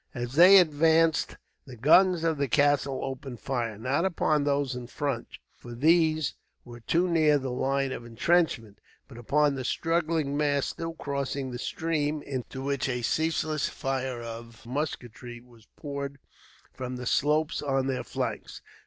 As they advanced the guns of the castle opened fire, not upon those in front, for these were too near the line of entrenchment, but upon the struggling mass still crossing the stream, into which a ceaseless fire of musketry was poured from the slopes on their flanks.